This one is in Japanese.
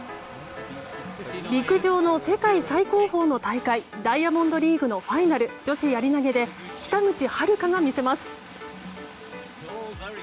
陸上の世界最高峰の大会ダイヤモンドリーグのファイナル女子やり投げで北口榛花が見せます。